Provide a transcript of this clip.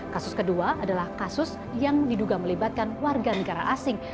kasus kedua adalah kasus yang diduga melibatkan warga negara asing